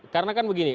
karena kan begini